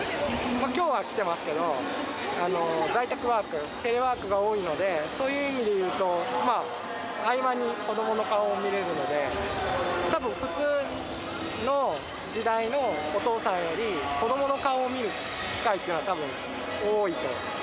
きょうは来てますけど、在宅ワーク、テレワークが多いので、そういう意味でいうと、まあ、合間に子どもの顔を見れるので、たぶん、普通の時代のお父さんより、子どもの顔を見る機会というのはたぶん多いと。